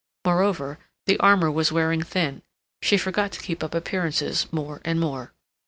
Moreover, the armor was wearing thin; she forgot to keep up appearances more and more.